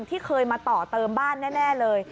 ที่เคยมาต่อเติมบ้านแน่เลย